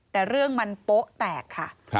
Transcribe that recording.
แต่เรื่องมันโป๊ะแตกค่ะ